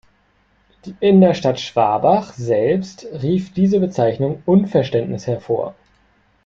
In der Stadt Schwabach selbst rief diese Bezeichnung Unverständnis hervor.